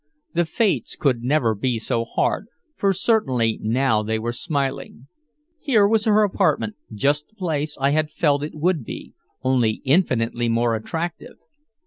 The Fates could never be so hard, for certainly now they were smiling. Here was her apartment, just the place I had felt it would be, only infinitely more attractive.